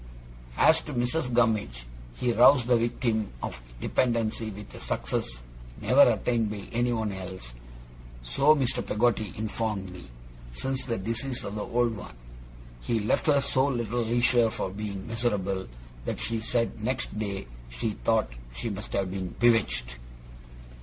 As to Mrs. Gummidge, he roused that victim of despondency with a success never attained by anyone else (so Mr. Peggotty informed me), since the decease of the old one. He left her so little leisure for being miserable, that she said next day she thought she must have been bewitched.